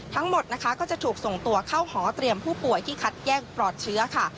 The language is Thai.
ทั้งหมดนะคะก็จะถูกส่งตัวเข้าหอเตรียมผู้ป่วยที่คัดแย่งปลอดเชื้อค่ะ